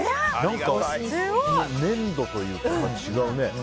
何か、粘度というかが違うね。